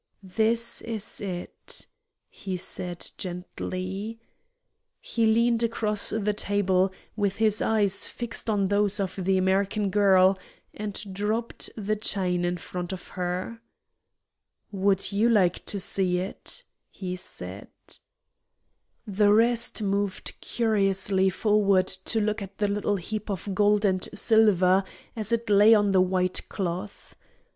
"This is it," he said, gently. He leaned across the table, with his eyes fixed on those of the American girl, and dropped the chain in front of her. "Would you like to see it?" he said. The rest moved curiously forward to look at the little heap of gold and silver as it lay on the white cloth.